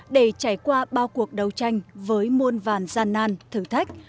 để trải qua bao cuộc đấu tranh với muôn vàn gian nan thử thách